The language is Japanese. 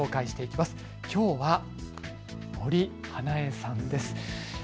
きょうは森英恵さんです。